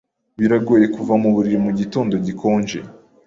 Biragoye kuva muburiri mugitondo gikonje.